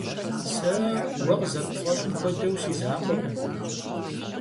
Сэ, уэ къызэрыпфӀэщӀым хуэдэу, си закъуэкъым.